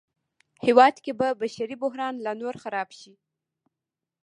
هېواد کې به بشري بحران لا نور خراب شي